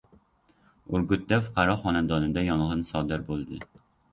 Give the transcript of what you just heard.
Urgutda fuqaro xonadonida yong‘in sodir bo‘ldi